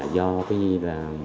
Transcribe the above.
do cái gì là